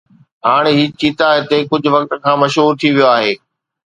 هاڻ هي چيتا هتي ڪجهه وقت کان مشهور ٿي ويو آهي